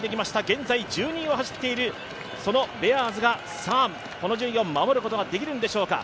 現在１２を走っているベアーズがこの順位を守ることができるんでしょうか。